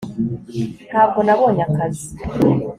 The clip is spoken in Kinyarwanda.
ntabwo nabonye akazi